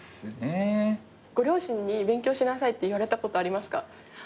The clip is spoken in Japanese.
ご両親に勉強しなさいって言われたことありますか？